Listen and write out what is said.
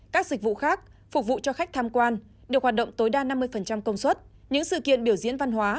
các dịch vụ khác phục vụ cho khách tham quan được hoạt động tối đa năm mươi công suất những sự kiện biểu diễn văn hóa